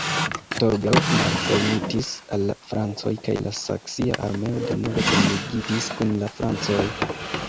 Torgau malfermitis al la francoj kaj la saksia armeo denove kunligitis kun la francoj.